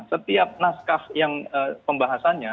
setiap naskah yang pembahasannya